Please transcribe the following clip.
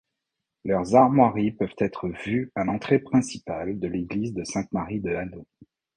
Leurs armoiries peuvent être vues à l'entrée principale de l'Église de sainte-Marie de Hanau.